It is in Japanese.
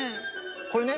これね